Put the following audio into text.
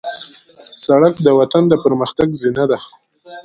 سړک د وطن د پرمختګ زینه ده.